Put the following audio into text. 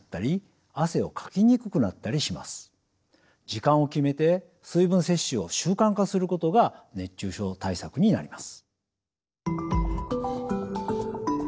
時間を決めて水分摂取を習慣化することが熱中症対策になります。